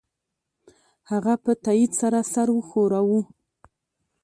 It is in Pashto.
هغه په تایید سره سر وښوراوه